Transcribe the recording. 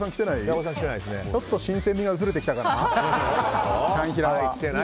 ちょっと新鮮味が薄れてきたかな。